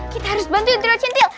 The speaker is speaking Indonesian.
kita harus bantu indra cintil